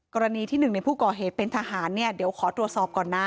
กรณีที่หนึ่งในผู้ก่อเหตุเป็นทหารเนี่ยเดี๋ยวขอตรวจสอบก่อนนะ